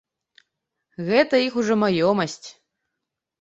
Гэта іх ужо маёмасць.